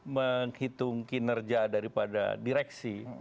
menghitung kinerja daripada direksi